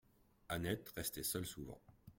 Annette restait seule souvent.